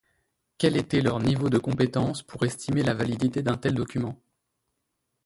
Quel était leur niveau de compétence pour estimer la validité d’un tel document ?